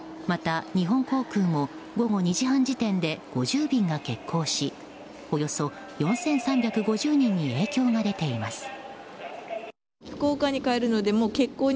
また、日本航空も午後２時半時点で５０便が欠航しおよそ４３５０人に影響が出ています。